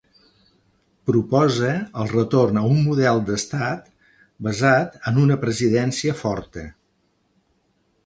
Proposa el retorn a un model d’estat basat en una presidència forta.